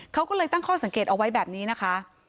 เขาก็เลยตั้งข้อสังเกตเอาไว้แบบนี้นะคะ